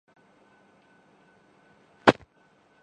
کم از کم حقائق میں ایسا نہیں ہوتا۔